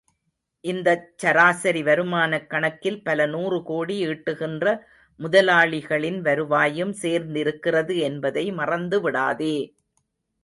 இந்தச் சராசரி வருமானக் கணக்கில் பலநூறு கோடி ஈட்டுகின்ற முதலாளிகளின் வருவாயும் சேர்ந்திருக்கிறது என்பதை மறந்து விடாதே!